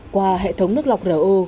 qua hệ thống nước lọc ro